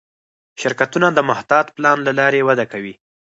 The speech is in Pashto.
شرکتونه د محتاط پلان له لارې وده کوي.